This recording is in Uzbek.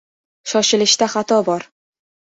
• Shoshilishda xato bor.